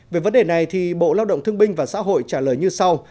về vấn đề này thì bộ lao động thương binh và xã hội trả lời như sau